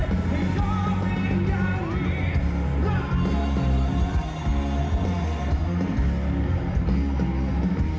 ให้ก็เป็นอย่างนี้